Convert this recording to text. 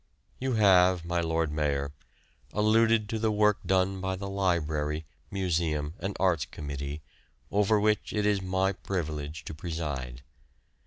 You have, my Lord Mayor, alluded to the work done by the Library, Museum, and Arts Committee over which it is my privilege to preside.